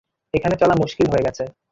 এখানে চলা মুশকিল হয়ে গেছে।